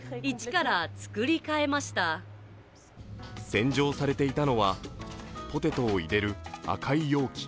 洗浄されていたのはポテトを入れる赤い容器。